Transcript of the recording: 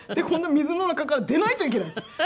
今度水の中から出ないといけないと。